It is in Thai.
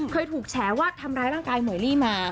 เคยถูกแฉว่าทำร้ายร่างกายหมวยลี่มา